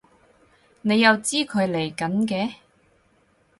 你又知佢嚟緊嘅？